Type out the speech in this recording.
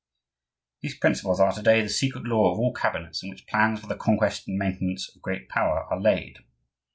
These principles are to day the secret law of all cabinets in which plans for the conquest and maintenance of great power are laid.